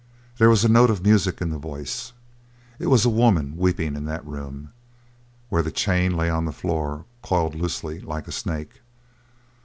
There was a note of music in the voice; it was a woman weeping in that room where the chain lay on the floor, coiled loosely like a snake.